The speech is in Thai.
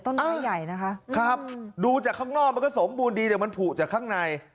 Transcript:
อ้อยใหญ่นะคะครับดูจากข้างนอกมันก็สมบูรณ์ดีแต่มันผูกจากข้างใน